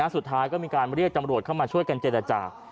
สุดท้ายก็มีการเรียกจำรวจเข้ามาช่วยกันเจรจา